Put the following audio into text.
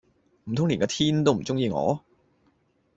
唔通連個天都唔鐘意我？